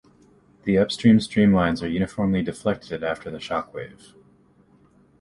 The upstream streamlines are uniformly deflected after the shock wave.